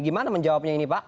gimana menjawabnya ini pak